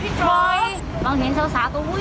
พี่จ๊อคต้องเห็นสาวก็อุ๊ย